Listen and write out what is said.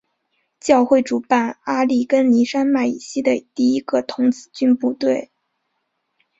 教会主办阿利根尼山脉以西的第一个童子军部队。